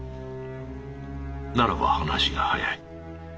ならば話が早い。